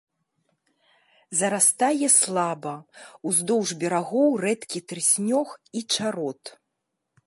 Зарастае слаба, уздоўж берагоў рэдкі трыснёг і чарот.